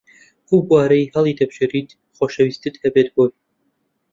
ئەو بوارەی هەڵیدەبژێریت خۆشەویستیت هەبێت بۆی